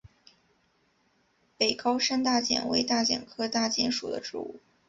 北高山大戟为大戟科大戟属的植物。